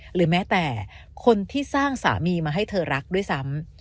หรือแม้แต่คนที่สร้างสามีมาให้เธอรักด้วยซ้ำ